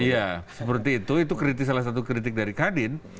iya seperti itu itu salah satu kritik dari kadin